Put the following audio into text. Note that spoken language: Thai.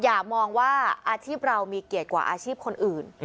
อย่ามองว่าอาชีพเรามีเกียรติกว่าอาชีพคนอื่น